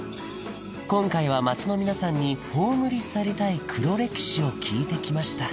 今回は街の皆さんに葬り去りたい黒歴史を聞いてきました